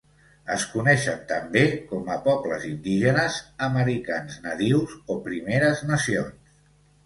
Es coneixen també com a pobles indígenes, americans nadius o primeres nacions.